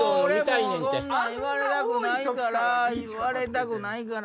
俺もそんなん言われたくないから言われたくないから。